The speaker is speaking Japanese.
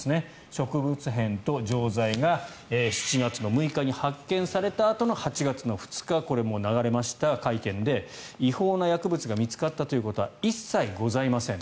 植物片と錠剤が７月６日に発見されたあとの８月の２日これも流れました、会見で違法な薬物が見つかったということは一切ございません。